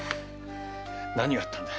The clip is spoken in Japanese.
何があったんだ！